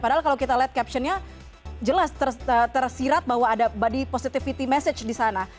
padahal kalau kita lihat captionnya jelas tersirat bahwa ada body positivity message di sana